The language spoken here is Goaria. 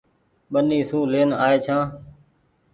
ٻني سون لين آئي ڇآن ۔